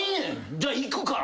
「じゃあ行くから」